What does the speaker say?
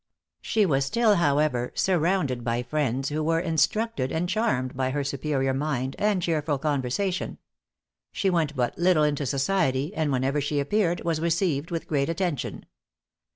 She was still, however, surrounded by friends who were instructed and charmed by her superior mind, and cheerful conversation. She went but little into society, and whenever she appeared, was received with great attention.